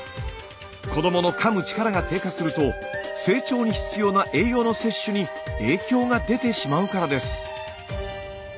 子どものかむ力が低下すると成長に必要な栄養の摂取に影響が出てしまうからです。